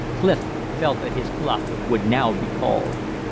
Clif felt that his "bluff" would now be called.